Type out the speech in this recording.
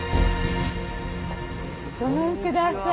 ごめんください。